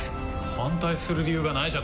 反対する理由がないじゃないか！